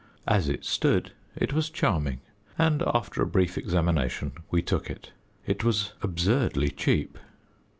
As it stood it was charming, and after a brief examination we took it. It was absurdly cheap.